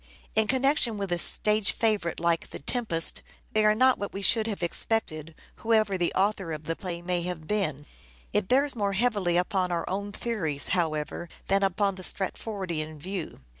In connection with a stage favourite like " The Tempest " they are not what we should have expected, whoever the author of the play may have "THE TEMPEST" 505 been. It bears more heavily upon our own theories, however, than upon the Stratfordian view.